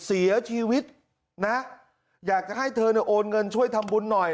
เสียชีวิตนะอยากจะให้เธอเนี่ยโอนเงินช่วยทำบุญหน่อย